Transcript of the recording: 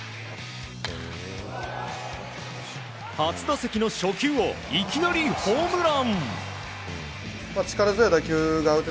初打席の初球をいきなりホームラン！